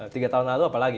tiga tahun lalu apa lagi